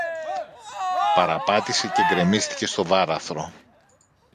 παραπάτησε και γκρεμίστηκε στο βάραθρο